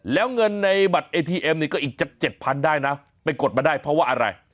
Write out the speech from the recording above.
แล้วเงินในบัตรเอทีเอ็มนี่ก็อีกจะเจ็ดพันได้นะไปกดมาได้เพราะว่าอะไร